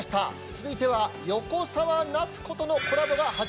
続いては横澤夏子とのコラボが始まるもようです。